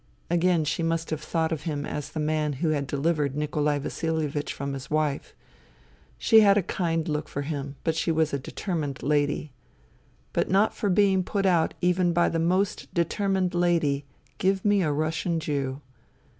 Again she must have thought of him as the man who had delivered Nikolai Vasilievich from his wife. She had a kind look for him, but she was a determined lady. But for not being put out even by the most determined lady, give me a Russian Jew.